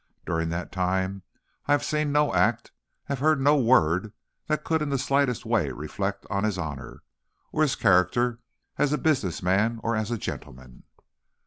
During that time, I have seen no act, have heard no word that could in the slightest way reflect on his honor or his character as a business man or as a gentleman."